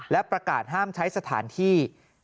และประกาศห้ามใช้สถานที่